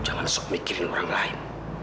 jangan mikirin orang lain